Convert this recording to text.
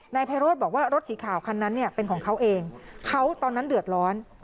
ไพโรธบอกว่ารถสีขาวคันนั้นเนี่ยเป็นของเขาเองเขาตอนนั้นเดือดร้อน